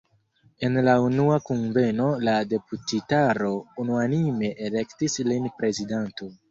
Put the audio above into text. En la unua kunveno la deputitaro unuanime elektis lin prezidanto.